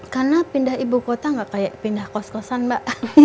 karena pindah ibu kota gak kayak pindah kos kosan mbak